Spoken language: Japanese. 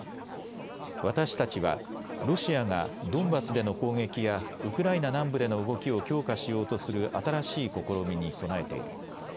私たちはロシアがドンバスでの攻撃やウクライナ南部での動きを強化しようとする新しい試みに備えている。